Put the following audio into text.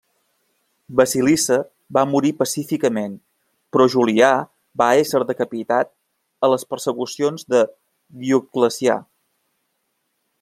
Basilissa va morir pacíficament, però Julià va ésser decapitat a les persecucions de Dioclecià.